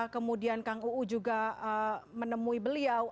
kemudian kang uu juga menemui beliau